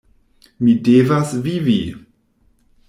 Mi devas vivi!